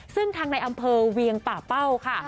ซึ่งทางในอำเภอเวียงป่าเป้าค่ะ